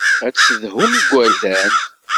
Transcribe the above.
Ad ssedhun igerdan.